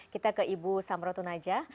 kita ke ibu samratun aja